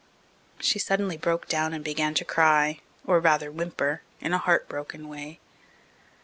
She suddenly broke down and began to cry, or rather whimper, in a heart broken way.